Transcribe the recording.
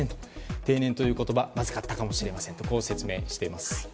定年という言葉まずかったかもしれませんと説明しています。